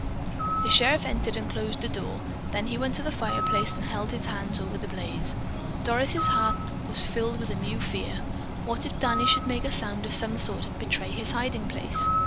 The sheriff entered and closed the door, then he went to the fireplace and held his hands over the blaze. Doris's heart was filled with a new fear. What if Danny should make a sound of some sort and betray his hiding place?